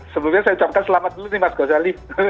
sebelumnya saya ucapkan selamat dulu nih mas ghazali